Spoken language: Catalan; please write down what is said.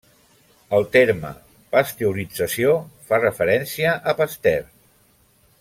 El terme pasteurització fa referència a Pasteur.